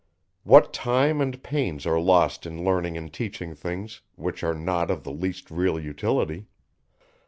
What time and pains are lost in learning and teaching things, which are not of the least real utility!